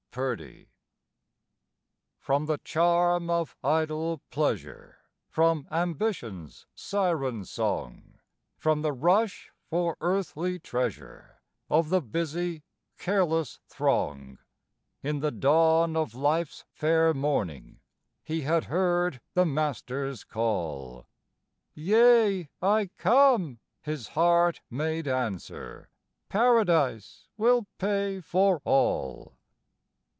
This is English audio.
PURDIE From the charm of idle pleasure, From Ambition's siren song, From the rush for earthly treasure Of the busy, careless throng; In the dawn of life's fair morning He had heard the Master's call; "Yea, I come," his heart made answer, "Paradise will pay for all."